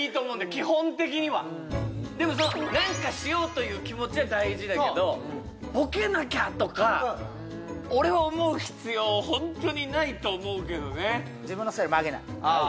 基本的にはでもその何かしようという気持ちは大事だけどボケなきゃとか俺は思う必要ホントにないと思うけどね自分のスタイル曲げないあ